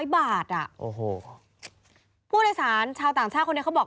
๓๐๐บาทอ่ะพูดโดยสารชาวต่างชาติคนนี้เขาบอก